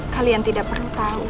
kalian tidak perlu tahu